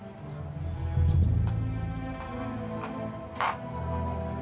nih kamu bebas tapi gak boleh jauh jauh ya